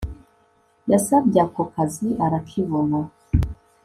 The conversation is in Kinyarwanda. yasabye ako kazi arakibona